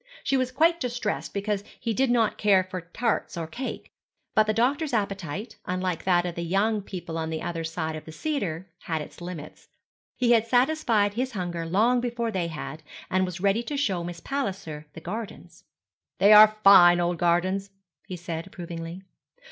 She was quite distressed because he did not care for tarts or cake. But the doctor's appetite, unlike that of the young people on the other side of the cedar, had its limits. He had satisfied his hunger long before they had, and was ready to show Miss Palliser the gardens. 'They are fine old gardens,' he said, approvingly.